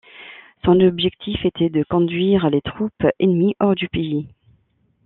Son objectif était de conduire les troupes ennemies hors du pays.